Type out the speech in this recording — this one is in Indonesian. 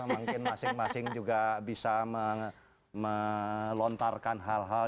mungkin masing masing juga bisa melontarkan hal hal